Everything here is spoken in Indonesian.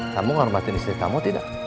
kamu menghormatin istri kamu tidak